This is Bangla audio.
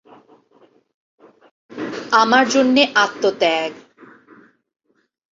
আমার জন্যে আত্মত্যাগ।